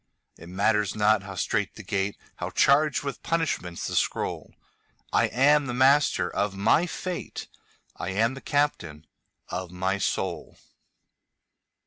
It matters not how strait the gate, How charged with punishments the scroll,I am the master of my fate;I am the captain of my soul.